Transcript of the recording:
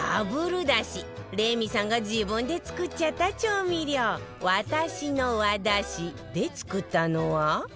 レミさんが自分で作っちゃった調味料わたしの和だしで作ったのは